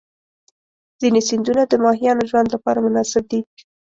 ځینې سیندونه د ماهیانو ژوند لپاره مناسب دي.